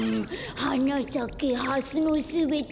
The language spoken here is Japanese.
「はなさけハスのすべて」